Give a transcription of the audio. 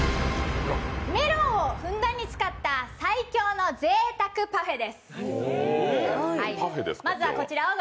メロンをふんだんに使った最強のぜいたくパフェです。